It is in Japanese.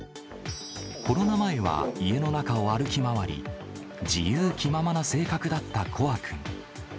コロナ前は家の中を歩き回り、自由気ままな性格だったコア君。